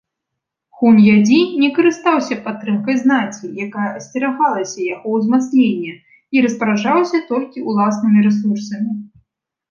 Хуньядзі не карыстаўся падтрымкай знаці, якая асцерагалася яго ўзмацнення, і распараджаўся толькі ўласнымі рэсурсамі.